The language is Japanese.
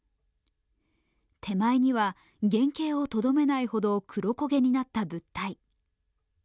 手前には原形をとどめないほど黒こげになった物体。